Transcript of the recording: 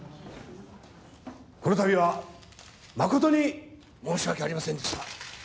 このたびは誠に申し訳ありませんでした。